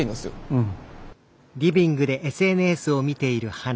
うん。